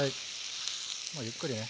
もうゆっくりね。